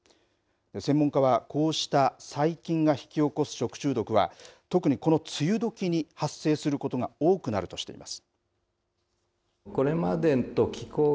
専門家はこうした細菌が引き起こす食中毒は特に、この梅雨どきに発生することが多くなるとしています。